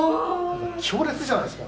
強烈じゃないですか？